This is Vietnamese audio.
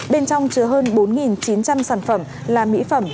bên trong chứa hơn bốn chín trăm linh sản phẩm là mỹ phẩm